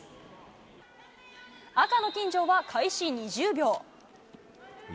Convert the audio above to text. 赤の金城は開始２０秒。